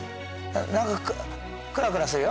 何かクラクラするよ。